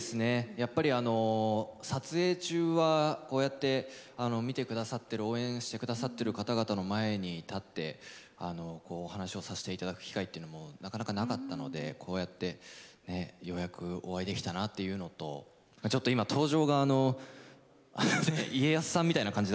やっぱり撮影中はこうやって見てくださってる応援してくださってる方々の前に立ってこうお話をさせていただく機会っていうのもなかなかなかったのでこうやってねようやくお会いできたなというのとちょっと今登場があの家康さんみたいな感じだったから。